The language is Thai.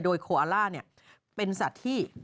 โดยโคอาล่าเป็นสัตว์ที่